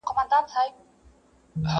هم له ژوندیو، هم قبرونو سره لوبي کوي!